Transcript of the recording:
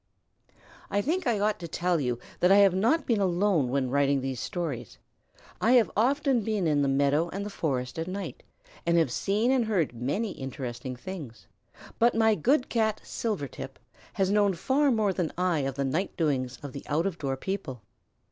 I think I ought to tell you that I have not been alone when writing these stories. I have often been in the meadow and the forest at night, and have seen and heard many interesting things, but my good Cat, Silvertip, has known far more than I of the night doings of the out of door people.